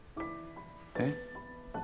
えっ？